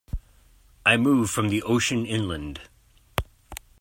I move from the ocean inland.